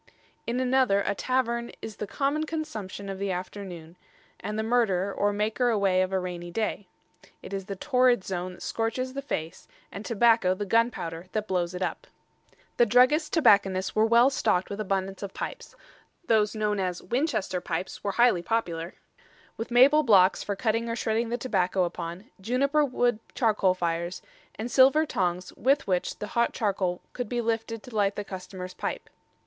In another, a tavern "is the common consumption of the Afternoone, and the murderer, or maker away of a rainy day. It is the Torrid Zone that scorches the face, and Tobacco the gunpowder that blows it up." The druggist tobacconists were well stocked with abundance of pipes those known as Winchester pipes were highly popular with maple blocks for cutting or shredding the tobacco upon, juniper wood charcoal fires, and silver tongs with which the hot charcoal could be lifted to light the customer's pipe.